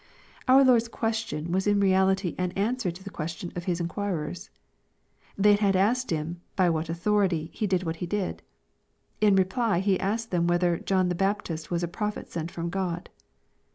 Our Lord's question was in reality an answer to the question of His inquirers. They had asked Him "by what authority," He did what He did. In reply, He asked them whether " John the Baptist was a prophet sent from God."